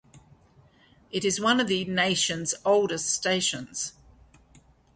It is one of the nation's oldest stations.